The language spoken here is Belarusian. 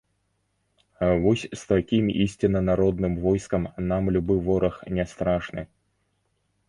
Вось з такім ісцінна народным войскам нам любы вораг не страшны.